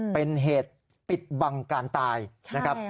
เป็นเหตุปิดบังการตายนะครับ